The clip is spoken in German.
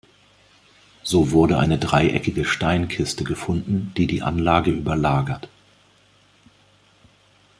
So wurde eine dreieckige Steinkiste gefunden, die die Anlage überlagert.